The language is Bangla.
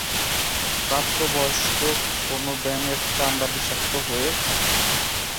প্রাপ্তবয়স্ক কেন ব্যাঙের চামড়া বিষাক্ত হয়ে থাকে।